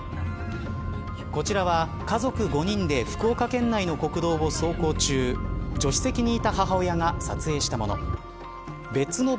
こちらは家族５人で福岡県内の国道を走行中助手席にいた母親が撮影したもの。